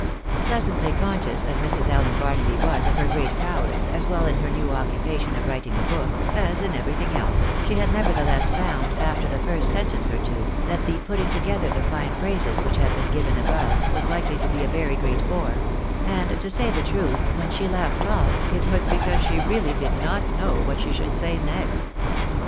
Pleasantly conscious as Mrs. Allen Barnaby was of her great powers, as well in her new occupation of writing a book, as in everything else, she had nevertheless found, after the first sentence or two, that the putting together the fine phrases which have been giv ^n above, was likely to be a very great bore ; and, to say the truth, when she left off it was because she really did not know what she should say next.